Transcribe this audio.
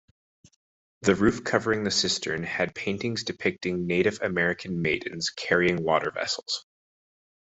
The roof covering the cistern has paintings depicting Native American maidens carrying water vessels.